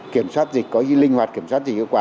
kiểm soát dịch có linh hoạt kiểm soát dịch kết quả